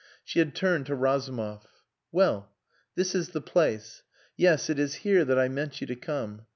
She had turned to Razumov. "Well. This is the place. Yes, it is here that I meant you to come.